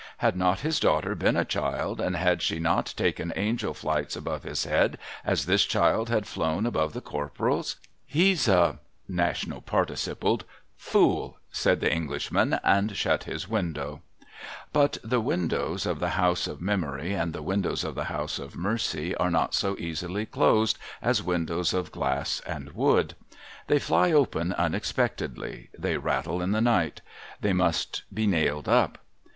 Had not his daughter been a child, and had she not taken angel flights above his head as this child had flown above the Corporal's ? 'He's a' — National Participled — 'fool!' said the Englishman, and shut his window. But the windows of the house of Memory, and the windows of the house of Mercy, are not so easily closed as windows of glass and wood. They fly open unexpectedly ; they rattle in the night ; they must be nailed up.